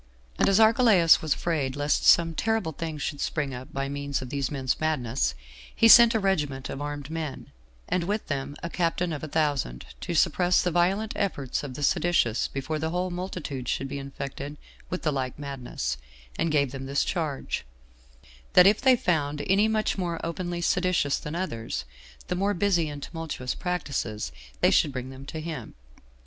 And as Archelaus was afraid lest some terrible thing should spring up by means of these men's madness, he sent a regiment of armed men, and with them a captain of a thousand, to suppress the violent efforts of the seditious before the whole multitude should be infected with the like madness; and gave them this charge, that if they found any much more openly seditious than others, and more busy in tumultuous practices, they should bring them to him.